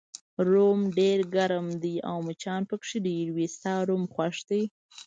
روم ډېر ګرم دی او مچان پکې ډېر وي، ستا روم خوښ دی؟